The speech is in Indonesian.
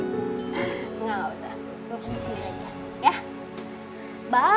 enggak gak usah gue ke sini aja ya